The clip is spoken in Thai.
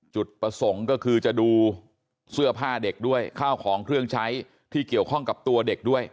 จุดประสงค์ก็คือจะดูเสื้อผ้าเด็กด้วยข้าวของเครื่องใช้ที่เกี่ยวข้องกับตัวเด็กด้วย